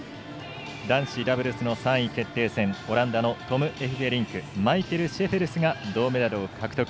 男子ダブルスの３位決定戦オランダのトム・エフベリンクマイケル・シェフェルスが銅メダルを獲得。